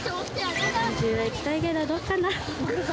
２０はいきたいけど、どうかな。